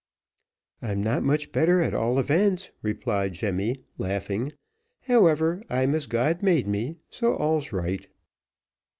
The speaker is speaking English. "I'm not much better, at all events," replied Jemmy, laughing: "however, I'm as God made me, and so all's right."